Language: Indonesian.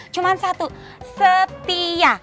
cuma satu setia